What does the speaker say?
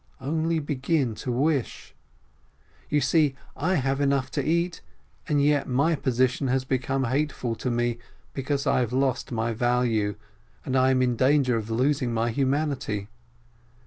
Only begin to wish ! You see, I have enough to eat, and yet my position has become hateful to me, because I have lost my value, and am in danger of losing my humanity.